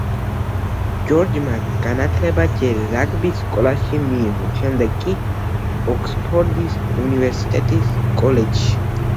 ჯორჯმა განათლება ჯერ რაგბის სკოლაში მიიღო, შემდეგ კი ოქსფორდის უნივერსიტეტის კოლეჯში.